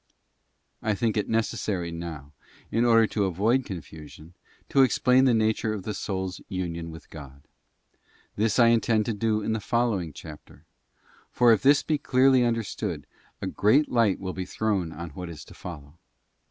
I think it necessary now, in order to avoid confusion, to explain the nature of the soul's union with God. This I intend to do in the following chapter, for if this be clearly understood, a great light will be thrown on what is to follow.